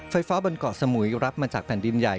ไฟฟ้าบนเกาะสมุยรับมาจากแผ่นดินใหญ่